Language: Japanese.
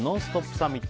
サミット。